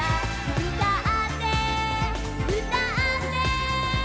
「うたってうたって」